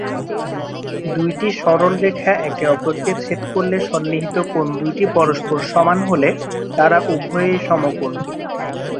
দুইটি সরলরেখা একে অপরকে ছেদ করলে সন্নিহিত কোণ দুইটি পরস্পর সমান হলে, তারা উভয়েই সমকোণ।